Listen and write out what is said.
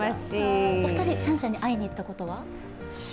お二人、シャンシャンに会いに行ったことは？